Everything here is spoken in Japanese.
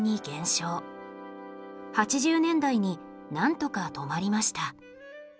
８０年代になんとか止まりました。